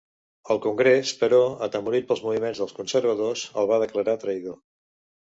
El Congrés, però, atemorit pels moviments dels conservadors, el va declarar traïdor.